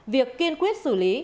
việc kiên quyết xử lý